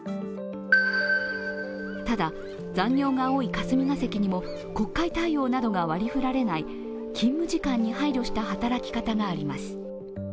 ただ、残業が多い霞が関にも国会対応などが割り振られない、勤務時間に配慮した働き方があります。